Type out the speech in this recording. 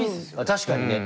確かにね。